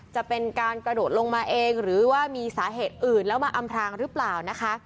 จะเป็นการกระโดดลงมาเองหรือว่ามีสาเหตุอื่นแล้วมาอำพรางหรือเปล่านะคะ